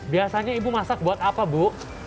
biasanya ibu masak buat apa bu